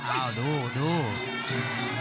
อ้าวดูดู